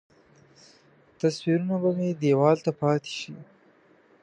تصویرونه به مې دیوال ته پاتې شي.